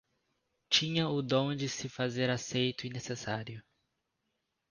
Tinha o dom de se fazer aceito e necessário;